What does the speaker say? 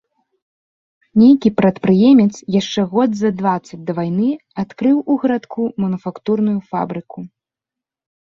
Нейкі прадпрыемец, яшчэ год за дваццаць да вайны, адкрыў у гарадку мануфактурную фабрыку.